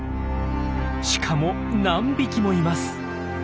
しかも何匹もいます！